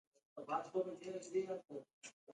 په دوه زره یو کال کې د دفاع پوځ دېرش زره جنګیالي لرل.